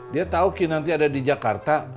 dia tahu ki nanti ada di jakarta